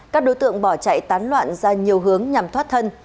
các đối tượng bỏ chạy tán loạn ra nhiều hướng nhằm thoát thân